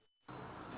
để đầu tư tiền ảo